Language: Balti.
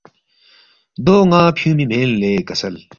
دو ن٘ا فیُونگمی مین لے کسل